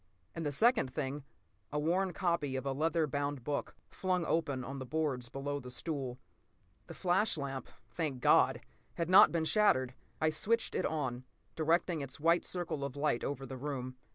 And the second thing—a worn copy of a leather bound book, flung open on the boards below the stool! The flash lamp, thank God! had not been shattered. I switched it on, directing its white circle of light over the room.